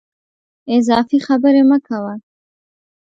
اضافي خبري مه کوه !